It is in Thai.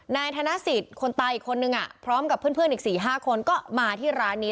นายธนศิษย์คนตายอีกคนหนึ่งอ่ะพร้อมกับเพื่อนเพื่อนอีกสี่ห้าคนก็มาที่ร้านนี้